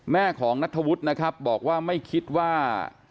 แม่ของนัทธวุฒินะครับบอกว่าไม่คิดว่า